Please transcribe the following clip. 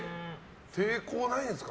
抵抗ないですか？